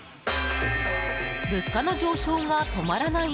物価の上昇が止まらない